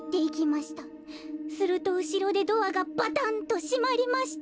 すると、後ろでドアがバタン！と閉まりました」。